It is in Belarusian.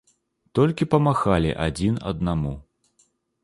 Толькі памахалі адзін аднаму.